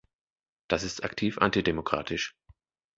Das ist aktiv antidemokratisch.